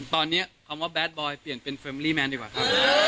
ตอนนี้คำว่าแดดบอยเปลี่ยนเป็นเฟรมลี่แมนดีกว่าครับ